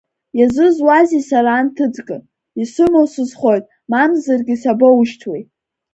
Иазызуазеи сара анҭыҵга, исымоу сызхоит, мамзаргьы сабоушьҭуеи.